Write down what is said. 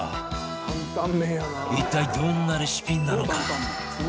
一体どんなレシピなのか？